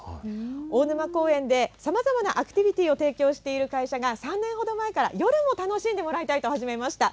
大沼公園でさまざまなアクティビティーを提供している会社が３年ほど前から、夜も楽しんでもらいたいと始めました。